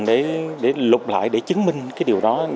để lục lại để chứng minh cái điều đó